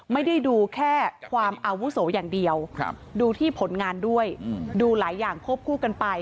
ไม่ได้ดูแค่ความอาวุโสอย่างเดียวดูที่ผลงานด้วยดูหลายอย่างควบคู่กันไป